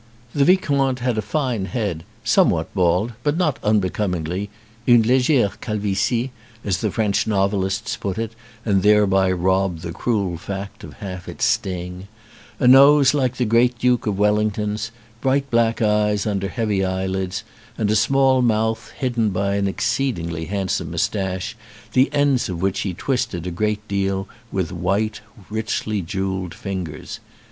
The Vicomte had a fine head, somewhat bald, but not unbecomingly (wne legere calvitie, as the French novelists put it and thereby rob the cruel fact of half its sting) a nose like the great Duke of Wellington's, bright black eyes under heavy eye lids, and a small mouth hidden by an exceedingly handsome moustache the ends of which he twisted a great deal with white, richly jewelled fingers.